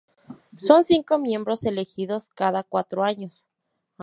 Son cinco miembros elegidos cada cuatro años.